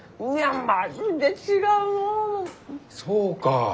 そうか。